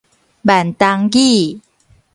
閩東語